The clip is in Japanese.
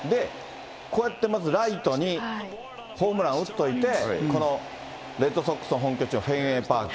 こうやってまずライトにホームランを打っといて、このレッドソックスの本拠地のフェンウェイパーク。